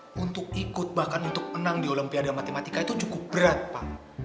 untuk ikut bahkan untuk menang di olimpiade matematika itu cukup berat pak